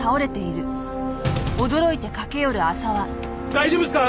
大丈夫ですか！？